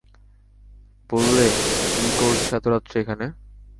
বললে, কী করছ এত রাত্রে এখানে?